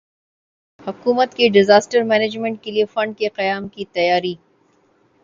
حکومت کی disaster management کیلئے فنڈ کے قیام کی تیاری